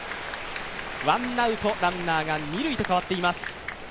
ワンアウト、ランナー二塁とかわっていきます。